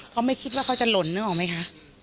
เขาไม่คิดว่าเขาจะหล่นนึกออกไหมคะ